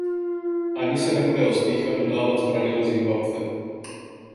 Ani se nebude ostýchat dodávat zbraně do Zimbabwe.